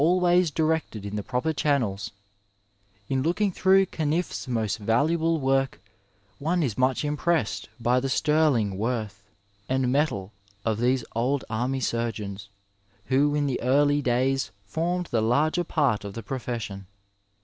alwaysdirected in the proper channels: In looking through GanniETs most valuable work one is much impressed by the sterling worth and mettle of these old army surgeons who in the early days formed the larger part of the profession.